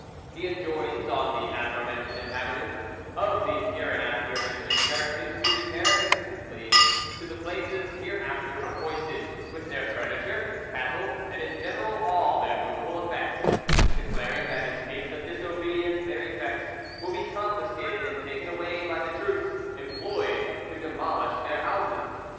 He enjoins on the afore mentioned inhabitants of the hereinafter mentioned parishes to repair instantly to the places hereinafter appointed, with their furniture, cattle, and in general all their movable effects, declaring that in case of disobedience their effects will be confiscated and taken away by the troops employed to demolish their houses.